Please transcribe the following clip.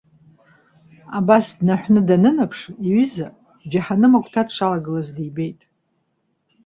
Абас днаҳәны данынаԥшы, иҩыза џьаҳаным агәҭа дшалагылаз дибеит.